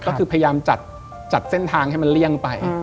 ก็คือพยายามจัดเส้นทางให้มันเลี่ยงไป